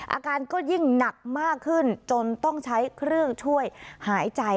อาการก็ยิ่งหนักมากขึ้นจนต้องใช้เครื่องช่วยหายใจ